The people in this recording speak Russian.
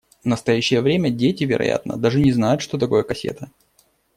В настоящее время дети, вероятно, даже не знают, что такое кассета.